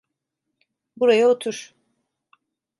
Buraya otur.